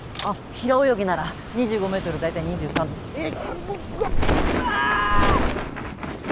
平泳ぎなら２５ｍ大体２３秒わーっ！